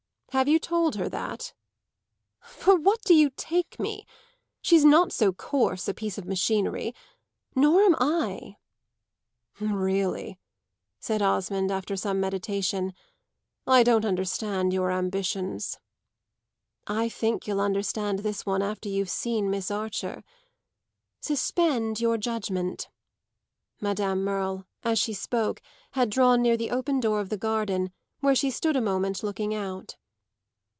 Have you told her that?" "For what do you take me? She's not so coarse a piece of machinery nor am I." "Really," said Osmond after some meditation, "I don't understand your ambitions." "I think you'll understand this one after you've seen Miss Archer. Suspend your judgement." Madame Merle, as she spoke, had drawn near the open door of the garden, where she stood a moment looking out.